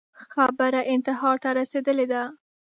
خبره انتحار ته رسېدلې ده